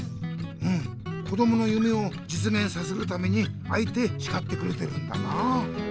うんこどものゆめをじつげんさせるためにあえてしかってくれてるんだな！